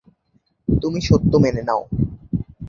তুমি সত্য মেনে নাও।